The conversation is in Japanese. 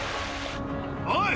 おい